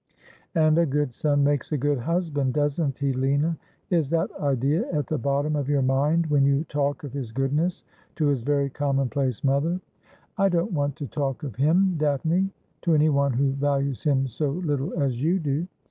' And a good son makes a good husband, doesn't he, Lina ? Is that idea at the bottom of your mind when you talk of his goodness to his very commonplace mother?' ' I don't want to talk of him. Daphne, to any one who values him so little as you do.'